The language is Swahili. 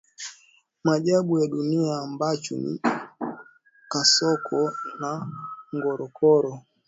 maajabu ya dunia ambacho ni kasoko ya Ngorongoro